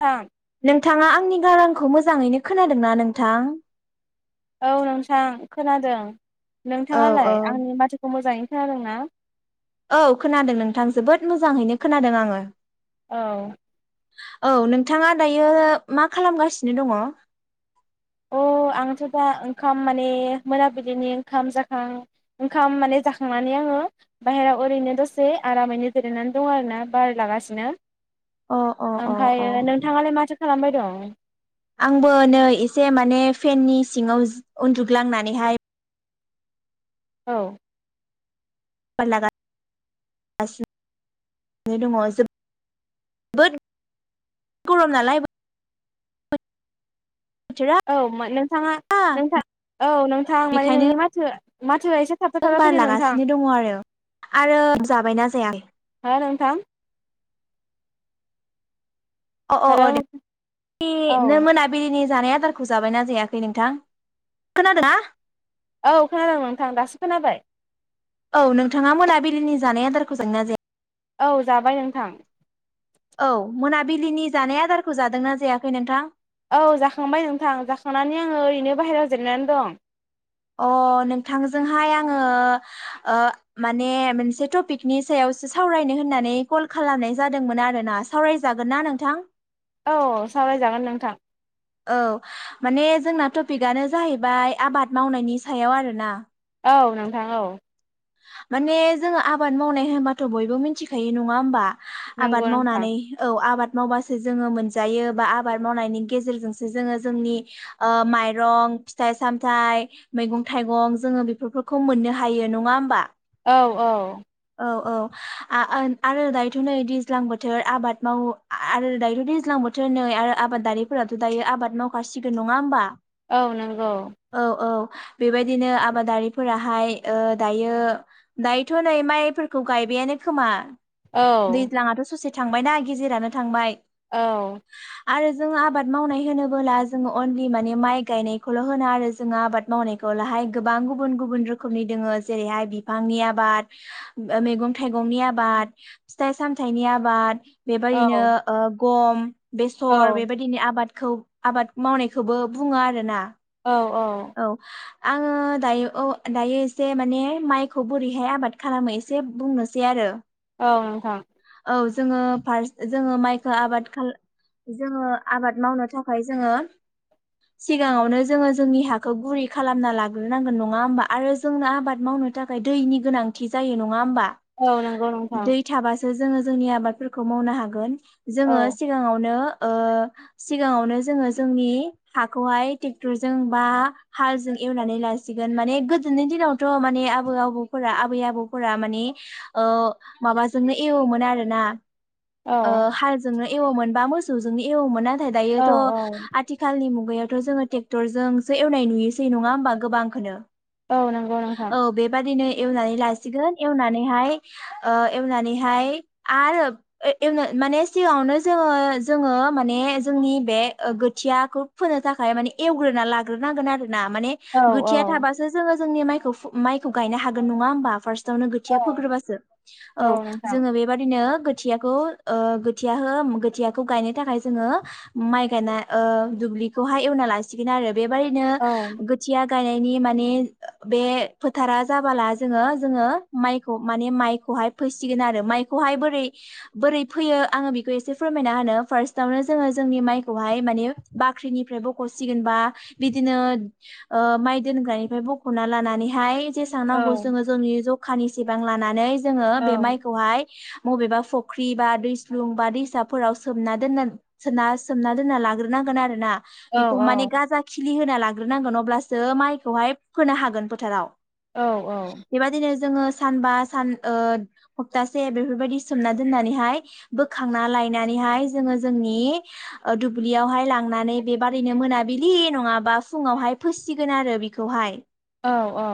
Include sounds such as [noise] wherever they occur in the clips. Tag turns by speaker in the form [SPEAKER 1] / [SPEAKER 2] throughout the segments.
[SPEAKER 1] औ
[SPEAKER 2] नोंथाङा आंनि गारांखौ मोजाङैनो खोनादोंना नोंथां
[SPEAKER 1] औ नोंथां खोनादों
[SPEAKER 2] औ औ
[SPEAKER 1] नोंथाङालाय आंनि माथोखौ मोजाङै खोनादों ना?
[SPEAKER 2] औ खोनादों नोंथां जोबोद मोजाङैनो खोनादों आङो
[SPEAKER 1] औ।
[SPEAKER 2] औ नोंथाङा दायो मा खालामगासिनो दङ।
[SPEAKER 1] अ। आंथ' दा ओंखाम माने मोनाबिलिनि ओंखाम जाखां ओंखाम मान जाखांनानै आं ओ बायह्रायाव ओरैनो दसे आरामैनो जिरायनानै दङ आरोना बार लागासिनो।
[SPEAKER 2] अ अ अ अ
[SPEAKER 1] ओमफायो नोंथाङालाय माथो खालामबाय दं।
[SPEAKER 2] आंबो नै एसे माने फेननि सिङाव उन्दुग्लांनानैहाय
[SPEAKER 1] औ।
[SPEAKER 2] लागा सिनो दङ' [unintelligible] बोद गरम नालाय बोथोरा
[SPEAKER 1] औ मोन नोंथाङा नोंथा औ नोंथां माने
[SPEAKER 2] बेखायनो
[SPEAKER 1] नोंनि माथो माथोआ एसे थाबथा थाबथा
[SPEAKER 2] बार
[SPEAKER 1] फैदों नोंथां
[SPEAKER 2] लागासिनो दङ' आरो। आरो जाबायना जाया
[SPEAKER 1] ओ नोंथां
[SPEAKER 2] अ अ
[SPEAKER 1] हेलौ
[SPEAKER 2] अ दे
[SPEAKER 1] औ
[SPEAKER 2] [unintelligible] मोनाबिलिनि जानाय आदारखौ जाबायना जायाखै नोंथां? खोनादों ना?
[SPEAKER 1] औ खोनादों नोंथां दासो खोनाबाय।
[SPEAKER 2] औ नोंथाङा मोनाबिलिनि जानाय आदारखौ जायो ना जाया।
[SPEAKER 1] औ जाबाय नोंथां।
[SPEAKER 2] औ मोनाबिलिनि जानाय आदारखौ जादोंना जायाखै नोंथां?
[SPEAKER 1] औ जाखांबाय नोंथां जाखांनानै आङो ओरैनो बाहेरायाव जिरायनानै दं।
[SPEAKER 2] अ नोंथांजोंहाय आङो ओ माने मोनसे टपिकनि सायाव सो सावरायनो होननानै कल खालामनाय जादोंमोन आरो ना। सावरायजागोन ना नोंथां?
[SPEAKER 1] औ सावरायजागोन नोंथां।
[SPEAKER 2] औ। माने जोंना टपिकआनो जाहैबाय आबाद मावनायनि सायाव आरो ना।
[SPEAKER 1] औ नोंथां औ।
[SPEAKER 2] माने जोङो आबाद मावनाय होनबाथ' बयबो मिथिखायो नङा होमबा?
[SPEAKER 1] नंगौ
[SPEAKER 2] आबाद
[SPEAKER 1] नोंथां
[SPEAKER 2] मावनानै औ आबाद मावबासो जोङो मोनजायो बा आबाद मावनायनि गेजेरजोंसो जोङो जोंनि ओ माइरं फिथाइ सामथाइ मैगं थाइगं जोङो बेफोरफोखौ मोननो हायो नङा होम
[SPEAKER 1] औ औ।
[SPEAKER 2] औ औ आ ओ आरो दायोथ' नै दैज्लां बोथोर आबाद मावो आ-आरो दायोथ' दैज्लां बोथोर नै आरो आबादारिफोराथ' दायो आबाद मावखासिगोन नङा होमबा?
[SPEAKER 1] औ नंगौ।
[SPEAKER 2] औ औ बेबायदिनो आबादारिफोराहाय ओ दायो ओ दायोथ' नै माइफोरखौ गायबायानो खोमा
[SPEAKER 1] औ
[SPEAKER 2] दैज्लाङाथ' ससे थांबायना गेजेरानो थांबाय।
[SPEAKER 1] औ।
[SPEAKER 2] आरो जोङो आबाद मावनाय होनोबोला जोङो अनलि माने माइ गायनायखौल' होना आरो जोङो आबाद मावनाय लाहाय गोबां गुबुन गुबुन रोखोमनि दोङो। जेरैहाय बिफांनि आबाद, मैगं थाइगंनि आबाद, फिथाइ सामथाइनि आबाद, बेबायदिनो ओ गम
[SPEAKER 1] औ
[SPEAKER 2] बेसर बेबायदिनि आबाद खौ आबाद मावनायखौबो बुङो आरो ना।
[SPEAKER 1] औ औ।
[SPEAKER 2] आङो दायो औ दायो एसे माने माइखौ बोरैहाय आबाद खालामो एसे बुंनोसै आरो
[SPEAKER 1] औ नोंथां।
[SPEAKER 2] औ जोङो फार्स्ट जोङो माइखो आबाद खाल जोङो आबाद मावनो थाखाय जोङो सिगाङावनो जोङो जोंनि हा खौ गुरै खालामना लाग्रोनांगोन नङा होमबा आरो जोंनो आबाद मावनो थाखाय दैनि गोनांथि जायो नङा होमबा?
[SPEAKER 1] औ नंगौ नोंथां
[SPEAKER 2] दै थाबासो जोङो जोंनि आबादफोरखौ मावनो हागोन।
[SPEAKER 1] औ
[SPEAKER 2] जोङो सिगाङावनो ओ सिगाङावनो जोङो जोंनि हाखौहाय टेक्टरजों बा हालजों एवनानै लासिगोन माने गोदोनि दिनावथ' माने आबौ आबौफोरा आबै आबौफोरा मा ने ओ माबाजोंनो एवोमोन आरो ना
[SPEAKER 1] औ
[SPEAKER 2] ओ हालजोंनो एवोमोन बा मोसौजोंनो एवोमोन नाथाय
[SPEAKER 1] औ
[SPEAKER 2] दायोथ' आथिखालनि मुग यावथ' जोङो टेक्टरजोंसो एवनाय नुयोसै नङा होमबा गोबांखोनो
[SPEAKER 1] औ नंगौ नोंथां
[SPEAKER 2] औ बेबादिनो एवनानै लासिगोन एवनानैहाय ओ एवनानैहाय आरो [unintelligible] माने सिगावनो जोङो जोङो माने जोंनि बे गोथियाखौ फोनो थाखाय माने एवग्रोना ला ग्रोनांगोन आरोना माने
[SPEAKER 1] औ
[SPEAKER 2] गोथिया थाबो जोङो जों नि माइखौ गायनो हागोन नङा होमबा फार्स टयावनो गोथिया
[SPEAKER 1] औ
[SPEAKER 2] फोग्रोबासो औ जोङो बेबादिनो गोथियाखौ ओ गोथियाखौ गोथियाखौ गायनो थाखाय जोङो माइ गायना ओ बेखौ एवना लासिगोन आरो बेबायदिनो
[SPEAKER 1] औ
[SPEAKER 2] गोथिया गायनायनि माने बे फोथारा जाबोला जोङो जोङो माइखौ माने माइ खौहाय फोसिगोन आरो माइखौहाय बोरै बोरै फैयो आङो बेखौ एसे फोरमायना होनो फार्सटयावनो जोङो जोंनि माइखौहाय माने बाख्रिनिफ्राय बख'सिगोन बा बिदिनो ओ माइ दोनग्रानिफ्राय बख'ना लानानैहाय जेसेबां
[SPEAKER 1] औ
[SPEAKER 2] नांगौ जोङो जोंनि जखानिसेबां लानानै जोङो
[SPEAKER 1] औ
[SPEAKER 2] बे माइखौहाय बबेबा फुख्रि बा दैस्लुं बा दैसाफोराव सोमना दोनना सोमना दोनना लाग्रोनां गोन आरो ना
[SPEAKER 1] औ
[SPEAKER 2] । बेखौ माने गाजा खिलि होना लाग्रोनांगोन अब्लासो माइखौहाय फोनो हागोन फोथाराव ।
[SPEAKER 1] औ औ
[SPEAKER 2] जोङो सानबा सान ओ हप्तासे बेफोरबायदि सोमना दोन्नानैहाय बोखांना ला नानैहाय जोङो जोंनि ओ दुब्लियाव हाय लांनानै बे बारैनो मोनाबिलि नङाबा फुुंआवहाय फोसिगोन आरो बेखौहाय
[SPEAKER 1] औ औ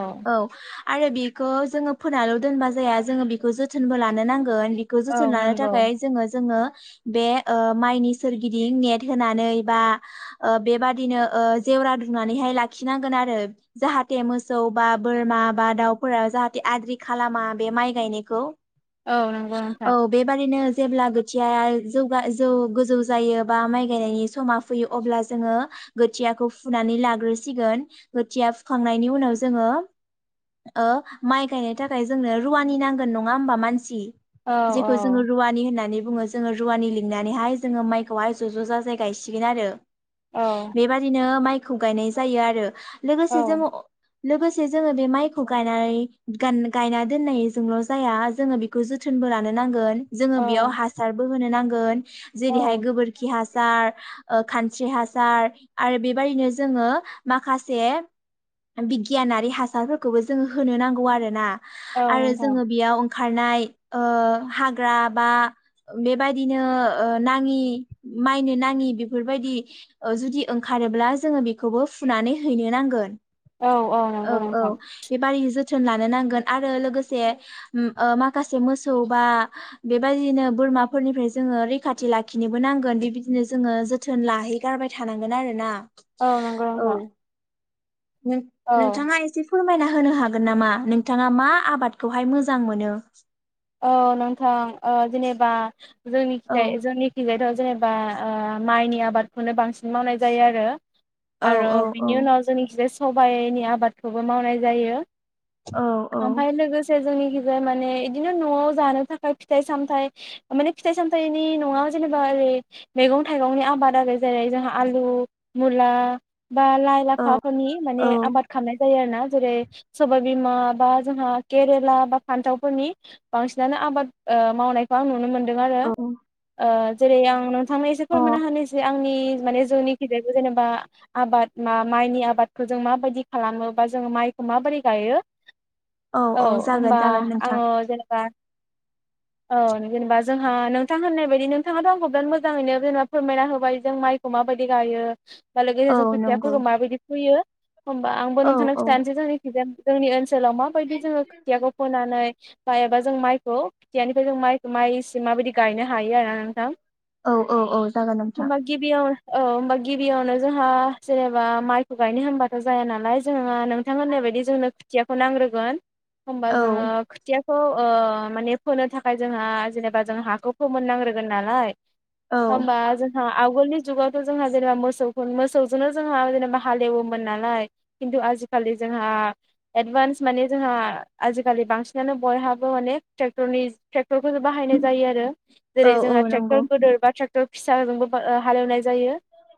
[SPEAKER 2] आरो बेखौ जोङो फोनाल' दोनबा जाया जोङो बेखौ जोथोनबो लानो नांगोन । बेखौ जोथोन
[SPEAKER 1] औ
[SPEAKER 2] लानो
[SPEAKER 1] नंगौ
[SPEAKER 2] थाखाय जोङो जोङो बे ओ माइनि सोरगिदिं नेट होनानै बा बेबादिनो ओ जेवरा दुंनानैहाय लाखिनांगोन आरो जाहाथे मोसौ बा बोरमा बा दाउफोरा जाहाथे आद्रि खालामा बे माइ गायनायखौ ।
[SPEAKER 1] औ नंगौ नोंथां
[SPEAKER 2] जेब्ला गोथिया जौगा जौ गोजौ जायो बा माइ गायनायनि समा फैयो अब्ला जोङो गोथियाखौ फुनानै लाग्रोसिगोन गोथिया फुखांनायनि उनाव जोङो माइ गायनो थाखाय जोंनो रुवानि नांगोन नङा होमबा मानसि
[SPEAKER 1] औ
[SPEAKER 2] जेखौ जोङो
[SPEAKER 1] औ
[SPEAKER 2] रुवानि होननानै बुङो जोङो रुवानि लिंनानैहाय जोङो माइखौहाय ज' ज' जाजाय गायसिगोन आरो ।
[SPEAKER 1] औ
[SPEAKER 2] [unintelligible] माइखौ गायनाय जायो आरो
[SPEAKER 1] औ
[SPEAKER 2] लोगोसे जोङो लोगोसे जोङो बे माइखौ गायनानै गान-गायना दोननायजोंल' जाया जोङो बेखौ जोथोन लानो नांगोन । जोङो
[SPEAKER 1] औ
[SPEAKER 2] बेयाव हासार बो होनो नांगोन
[SPEAKER 1] औ
[SPEAKER 2] जेरैहाय गोबोरखि हा सार खानस्रि हासार आरो बेबायदिनो जोङो माखासे बिगियानारि हासारफोरखौबो जोङो होनो नांगौ आरो ना
[SPEAKER 1] औ
[SPEAKER 2] आरो
[SPEAKER 1] नोंथां
[SPEAKER 2] जोङो बेयाव खारनाय ओ हाग्रा बा बेबायदिनो ओ नाङि माइनो नाङि बेफोरबायदि ओ जुदि ओंखारोब्ला जोङो बेखौबो फुनानै हैनो नांगोन ।
[SPEAKER 1] औ
[SPEAKER 2] औ
[SPEAKER 1] नंगौ
[SPEAKER 2] औ
[SPEAKER 1] नोंथां
[SPEAKER 2] बेबारि जो थोन लानो नांगोन आरो लोगोसे म ओ माखासे मोसौ बा बेबदिनो बो रमाफोरनिफ्राय जोङो रैखाथि लाखिनोबो नांगोन बेबिदिनो जोङो जोथोन लाहैगारबाय थानां गोन आरो ना
[SPEAKER 1] औ नंगौ नोंथां औ
[SPEAKER 2] नों-नोंथाङा एसेसो फोरमायना होनो हागोन नामा नोंथाङा मा आबादखौहाय मोजां मोनो?
[SPEAKER 1] औ नोंथां ओ जेनेबा जोंनि
[SPEAKER 2] औ
[SPEAKER 1] खिजाय जोंनि खिजायथ' जेनेबा ओ माइनि आबादखौनो बांसिन मावनाय जायो आरो ।
[SPEAKER 2] औ
[SPEAKER 1] आरो
[SPEAKER 2] औ औ
[SPEAKER 1] बिनि उनाव जोंनि खिजाय सबायनि आबादखौबो मावनाय जायो
[SPEAKER 2] औ औ
[SPEAKER 1] । ओमफ्राय लोगोसे जोंनि खिजा माने इदि बिदिनो न'आव जानो थाखाय फिथाइ सामथाय माने फिथाइ सामथायनि नङा जेनेबा ओरै मैंगं मैगं थाइगंनि आबाद आरो जेरै जोंहा आलु मुला बा लाइ
[SPEAKER 2] औ
[SPEAKER 1] लाफाफोरनि माने आबाद खामनाय जायो आरो ना जेरै सबायबिमा बा जोंहा केरेला बा फान्थावफोरनि बांसिनानो आबाद ओ मावनायखौ आं नुनो मोनदों आरो ओ जेरै आं नोंथां थांनो एसे
[SPEAKER 2] औ अ
[SPEAKER 1] फोरमना होनोसे आंङो जोंनि माने जोंनिखिजायबो जेनेबा आबाद मा-माइनि आबादखौ जों माबायदि खालामो बा जों जोङो माइखौ माबोरै गायो औ
[SPEAKER 2] जागोन
[SPEAKER 1] ओमबा
[SPEAKER 2] जागोन नोंथां
[SPEAKER 1] आङो बा औ जेनेबा जोंहा नोंथां होननाय बायदि नोंथाङाथ' आंखौ बिराद मोजाङैनो जेनेबा फोरमायना होबाय जों मा माइखौ माबायदि गायो लोगोसे
[SPEAKER 2] औ
[SPEAKER 1] जों
[SPEAKER 2] नंगौ
[SPEAKER 1] खोथियाफोरखौ माबायदि फैयो होमबा आंबो
[SPEAKER 2] औ
[SPEAKER 1] नोंथांनो
[SPEAKER 2] औ
[SPEAKER 1] खिथानोसै जोंखिजाय जोंनि ओनसोल ओनसोलाव माबायदि जोङो खोथियाखौ फोनानै जायोबा जों माइखौ खोथियानिफ्राय जों माइखौ माइसि माबायदि गायनो हायो आरोना नोंथां
[SPEAKER 2] औ -औ -औ जागोन नोंथां
[SPEAKER 1] होमबा गिबियाव औ ओमबा गिबियावनो जोंहा जेनेबा माइखौ गायनो होमबाथ' जाया नालाय जोंङो नोंथां होननाय बायदि जोंनो खोथियाखौ नांग्रोगोन होमबा
[SPEAKER 2] औ
[SPEAKER 1] जोङो खौ ओ माने फोनो थाखाय जोंहा जेनेबा जों हाखौ फोमोननांग्रोगोन नालाय
[SPEAKER 2] औ
[SPEAKER 1] होमबा जोंहा आवगोलनि जुगाथ' जोंहा जेनेबा मोसौफोर मोसौ जोंनो जोंहा जेनेबा हालेवोमोन नालाय खिन्थु आजिखालि जों जोंहा एदभानस माने जोंहा आजिखालि बांसिन बिदिनो बयहाबो माने ट्रेक्टरनि टेक्टरखौसो बाहायनाय जायो आरो।
[SPEAKER 2] औ
[SPEAKER 1] जेरै
[SPEAKER 2] औ
[SPEAKER 1] जोंहा ट्रेक्टर
[SPEAKER 2] नंगौ
[SPEAKER 1] गोदोर बा ट्रेक्टर फिसाजोंबो बा ओ हालेवनाय जायो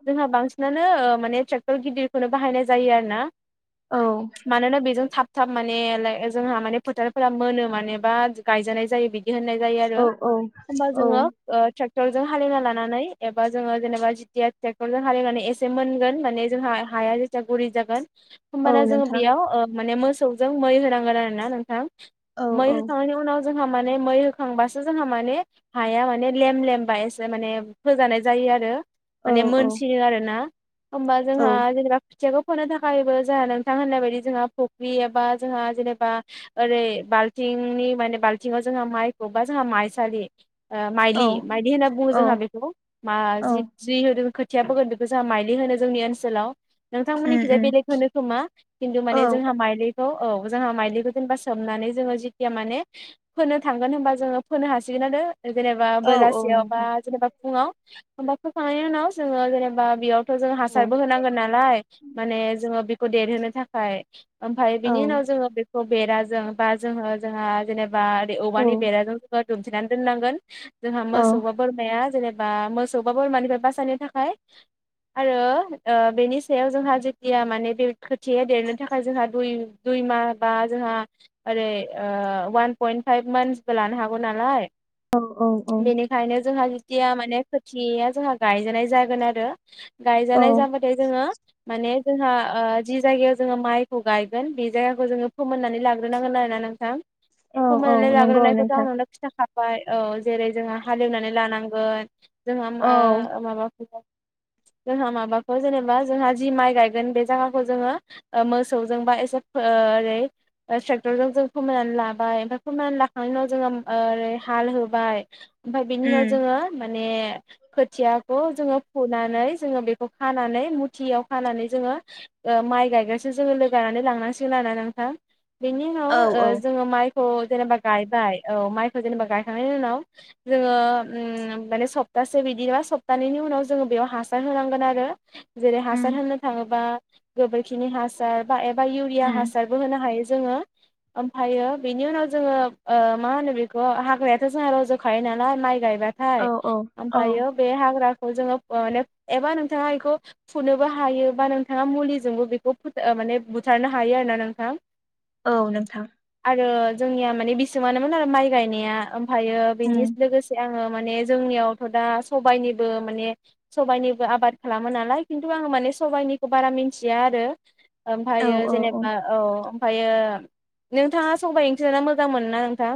[SPEAKER 1] जोंहा बांसिनानो नो माने ट्रेक्टर गिदिरखौनो बाहायनाय जायो आरोना
[SPEAKER 2] औ
[SPEAKER 1] मानोना बेजों थाब थाब माने लाइ जोंहा माने फोथारफोरा मोनो माने बा गायजानाय जायो बिदि गेहेननाय जायो आरो
[SPEAKER 2] औ औ
[SPEAKER 1] होमबा
[SPEAKER 2] औ
[SPEAKER 1] जोङो ओ ट्रेक्ट ट्रेक्टरजों हालेवना लानानै एबा जोङो जेनेबा जिथिया ट्रेक्टरजों हालेवनानै एसे मोनगोन माने जोंहा हा हाया जेथिया गुरै जागोन होमबाना
[SPEAKER 2] औ
[SPEAKER 1] जोङो
[SPEAKER 2] नोंथां
[SPEAKER 1] बेयाव ओ माने मोसौजों मै होनांगोन आरोना नोंथां
[SPEAKER 2] औ
[SPEAKER 1] मै
[SPEAKER 2] औ
[SPEAKER 1] होखांनायनि उनाव जोंहा माने मै होखांबासो जोंहा माने हाया माने लेम- लेमबायो एसे माने फोजानाय जायो आरो
[SPEAKER 2] औ
[SPEAKER 1] माने
[SPEAKER 2] औ
[SPEAKER 1] मोनसिनो आरोना होमबा
[SPEAKER 2] औ
[SPEAKER 1] जोंहा जेनेबा खोथियाखौ फोनो थाखायबो जोंहा नोंथां होननाय बायदि जोंहा फुख्रि एबा जोंहा जेनेबा हा ओरै बाल्थिंनि माने बालथिंआव जोंहा माइखौबा जोंहा माइसालियो ओ माइलि
[SPEAKER 2] औ
[SPEAKER 1] माइलि होनना बुङो
[SPEAKER 2] औ
[SPEAKER 1] जोंहा बेखौ मा
[SPEAKER 2] औ
[SPEAKER 1] जिद जि होदोखो खोथिया फोगोन बेखौ जोंङो माइलि होनो जोंनि ओनसोलाव
[SPEAKER 2] उम
[SPEAKER 1] नोंथांमोननिखिजाय
[SPEAKER 2] उम
[SPEAKER 1] बेलेग होनो खोमा खिन्थु
[SPEAKER 2] औ
[SPEAKER 1] माने जोंहा माइलिखौ औ जोंहा माइलिखौ जेनेबा सोमनानै जोङो जेथिया माने फोनो थांगोन होनबा जोङो फोनो हासिगोन आरो जेनेबा
[SPEAKER 2] औ औ
[SPEAKER 1] बेलासियाव बा
[SPEAKER 2] नोंथां
[SPEAKER 1] जेनेबा फुङाव होमबा फोखांनायनि उनाव जोङो जेनेबा बेयाव थ' जों
[SPEAKER 2] औ
[SPEAKER 1] हासारबो होनांगोन नालाय माने जोङो बेखौ देरहोनो थाखाय ओमफ्राय
[SPEAKER 2] औ
[SPEAKER 1] बिनि उनाव जोङो बेखौ बेराजों बा जोङो जोंहा जेनेबा बा औवानि
[SPEAKER 2] औ
[SPEAKER 1] बेराजों जोङो दुमथिनानै दोननांगोन जोंहा
[SPEAKER 2] औ
[SPEAKER 1] मोसौ बा बोरमाया जेनेबा मोसौ बा बोरमानिफ्राय बासायनो थाखाय आरो बेनि सायाव जोंहा जेथिया माने बे खोथिया देरनो थाखाय जोंहा दुइ दुइमाह बा जोंहा ओरै वान पयन्ट फाइभ मान्थसबो लानो हागौ नालाय
[SPEAKER 2] औ औ औ
[SPEAKER 1] बेनिखायनो जोंहा जेथिया माने खोथिया जोंहा गायजानाय जागोन आरो
[SPEAKER 2] औ
[SPEAKER 1] गायजानाय जाबाथाय जोङो माने जोंहा ओ जि जायगायाव जोङो माइखौ गायगोन बे जायगाखौ जोङो फोमोननानै लाग्रोनांगोन आरोना नोंथां
[SPEAKER 2] औ औ
[SPEAKER 1] फोमोननानै
[SPEAKER 2] नंगौ
[SPEAKER 1] लाग्रोनायखौथ'
[SPEAKER 2] नोंथां
[SPEAKER 1] आंनावनो खिन्थाखा बाय औ जेरै जोंहा हालेवनानै लानांगोन जोंहा
[SPEAKER 2] औ
[SPEAKER 1] माबा द जोंहा माबाखौ जेनेबा जोंहा जि माइ गायगोन बे जायागाखौ जोङो मोसौजों बा एसे [unintelligible] ट्रेक्टरजों जों फोमोननानै लाबाय ओमफ्राय फमायनानै लाखांनायनि उनाव जोङो ओरै हाल होबाय ओमफ्राय बिनि उनाव
[SPEAKER 2] उम
[SPEAKER 1] जोङो बे खोथियाखौ जोङो फुनानै जोङो बेखौ खानानै मुथियाव खानानै जोङो। माइ गायग्रासो जोङो रोगानानै लांनांसिगोन ना नोंथां बेनि
[SPEAKER 2] औ औ
[SPEAKER 1] उनाव जोङो माइ जेनेबा गायबाय औ माइखौ जेनेबा गायखांनायनि उनाव जोङो माने सब- तासे बिदिबा सप्तानैनि उनाव जोङो बेयाव हासार होनांगोन आरो जेरै
[SPEAKER 2] उम
[SPEAKER 1] हासार होनो थाङोबा गोबोरखिनि हासार बा एबा इउरिया
[SPEAKER 2] उम
[SPEAKER 1] हासारबो होनो हायो। जोङो ओमफ्रायो बेनि उनाव जोङो मा होनो बेखौ हाग्रायाथ' जोंहा रज'खायो नालाय माइ गायबाथाय
[SPEAKER 2] औ औ औ
[SPEAKER 1] ओमफ्रायो बे हाग्रा जोङो एबा नोंथाङा बेखौ फुनोबो हायो बा नोंथाङा मुलिजोबो माने बुथारनो हायो आरो ना नोंथाङा
[SPEAKER 2] औ नोंथां
[SPEAKER 1] आरो जोंनिया माने बिसेबानोमोन आरो माइ गायनाया ओमफ्राययो बेनि
[SPEAKER 2] उम
[SPEAKER 1] लोगोसे आङो माने जोंनियावथ' दा सबाइनिबो माने सबाइनिबो आबाद खालामो नालाय खिन्थु आं माने सबायनिखौ बारा मिथिया आरो
[SPEAKER 2] औ
[SPEAKER 1] ओमफ्राययो
[SPEAKER 2] औ औ
[SPEAKER 1] जेनेबा औ ओमफ्रायो नोंथाङा सबायाइ ओंख्रि जाना मोजां मोनो ना नोंथां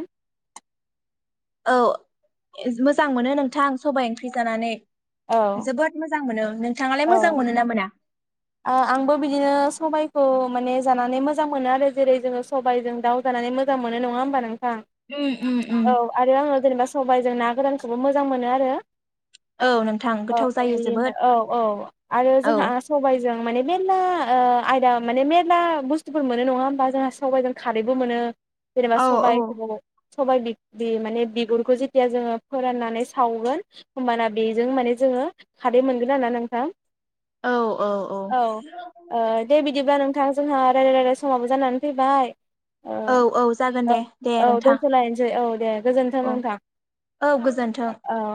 [SPEAKER 2] औ मोजां मोनो नोंथां सबाय ओंख्रि जानानै
[SPEAKER 1] औ
[SPEAKER 2] जोबोद मोजां मोनो नोंथाङालाय
[SPEAKER 1] औ
[SPEAKER 2] मोजां मोनो ना मोना
[SPEAKER 1] आंबो बिदिनो सबायखौ माने जानानै मोजां मोनो आरो जेरै जोङो सबायजों दाउ जानाय मोजां मोनो नङा होमबा नों- थां
[SPEAKER 2] उम उम उम
[SPEAKER 1] औ आरो आङो जेनेबा सबायाइजों ना गोरानखौबो मोजां मोनो आरो
[SPEAKER 2] औ नोंथां
[SPEAKER 1] औ
[SPEAKER 2] गोथाव जायो
[SPEAKER 1] बिदिनो
[SPEAKER 2] जोबोद
[SPEAKER 1] औ औ आरो
[SPEAKER 2] औ
[SPEAKER 1] जोंहा आसाम जों माने मेरला आयदा माने मेरला बुस्थुफोर मोनो नङा होमबा जोंहा साबाइजों खारैबो मोनो जेनेबा
[SPEAKER 2] औ औ
[SPEAKER 1] सबाय फोजोबाव सबाइ बि बियो माने बिगुरखौ जेथिया जोङो फोराननानै सावगोन होमबाना बेजों माने जों ङो खादै मोनगोन ना नोंथां
[SPEAKER 2] औ औ
[SPEAKER 1] औ दे बिदिबा नोंथां जोंहा रायलाय रायलाय समावबो जानानै फैबाय औ
[SPEAKER 2] जागोन
[SPEAKER 1] औ
[SPEAKER 2] दे दे
[SPEAKER 1] औ
[SPEAKER 2] नोंथां
[SPEAKER 1] दोनथ'लायनोसै औ दे गोजोनथों
[SPEAKER 2] औ
[SPEAKER 1] नोंथां
[SPEAKER 2] औ गोजोन्थों
[SPEAKER 1] औ